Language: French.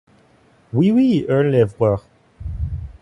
Oui! oui ! hurlèrent les voix.